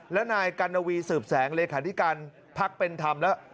และนายกัณวีสืบแสงเลขาธิการพักเป็นธรรมแล้ว